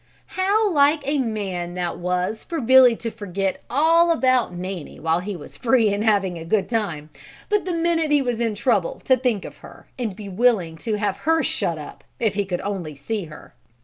How like a man that was for Billy to forget all about Nanny while he was free and having a good time, but the minute he was in trouble to think of her and be willing to have her shut up if he could only see her.